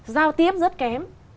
giao tiếp rất kém